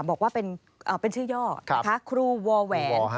บอกว่าเป็นชื่อย่อนะคะครูวอแหวน